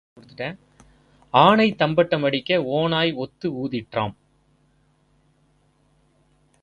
ஆனை தம்பட்டம் அடிக்க ஓநாய் ஒத்து ஊதிற்றாம்.